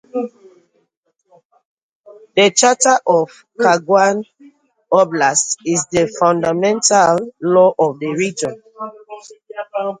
The Charter of Kurgan Oblast is the fundamental law of the region.